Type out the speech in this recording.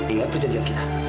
ingat perjanjian kita